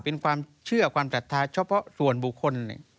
เป็นความเชื่อความศรัทธาเฉพาะส่วนบุคคล